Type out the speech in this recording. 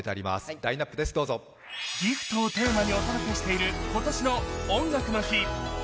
「ＧＩＦＴギフト」テーマにお届けしている今回の「音楽の日」。